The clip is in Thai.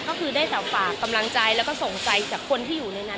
ก็คือได้แต่ฝากกำลังใจแล้วก็ส่งใจจากคนที่อยู่ในนั้น